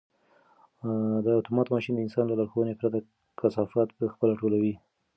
دا اتومات ماشین د انسان له لارښوونې پرته کثافات په خپله ټولوي.